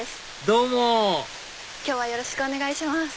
どうも今日はよろしくお願いします。